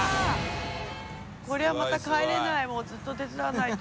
これはまた帰れないもうずっと手伝わないと。